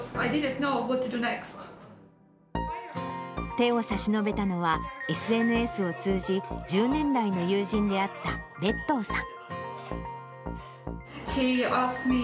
手を差し伸べたのは、ＳＮＳを通じ、１０年来の友人であった別當さん。